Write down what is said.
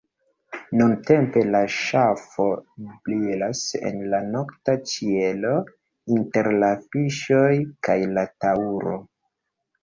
Nuntempe la ŝafo brilas en la nokta ĉielo inter la Fiŝoj kaj la Taŭro.